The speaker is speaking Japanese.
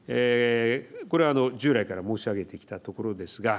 これは従来から申し上げてきたところですが。